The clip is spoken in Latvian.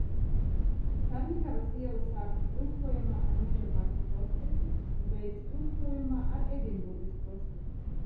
Carnikavas iela sākas krustojumā ar Mežaparka prospektu un beidzas krustojumā ar Edinburgas prospektu.